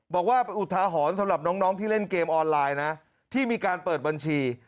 บอกว่าเป็นอุทาหรณ์สำหรับน้องที่เล่นเกมออนไลน์นะที่มีการเปิดบัญชี